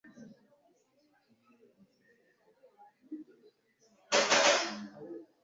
mu gihe bagenzi babo bari kuba barya ku byokurya bivuye ku meza y'umwami